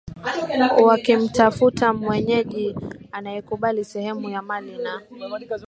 wakimtafuta mwenyeji anayekubali sehemu ya mali na